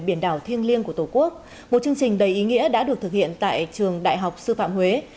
biển đảo thiêng liêng của tổ quốc một chương trình đầy ý nghĩa đã được thực hiện tại trường đại học sư phạm huế